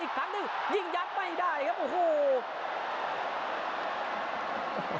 อีกครั้งนึงยิงยัดไม่ได้ครับ